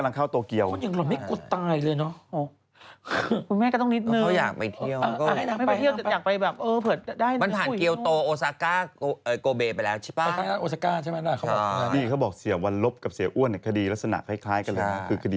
มันท่านเกียร์โอซาก้โบราณไปแล้วใช่ป่ะนี่เขาบอกเศียร์วรรลบกับเศียร์อ้วนในคดีรักษณะคล้ายก็ขึ้น